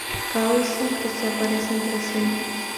Garrison que se parecen entre sí.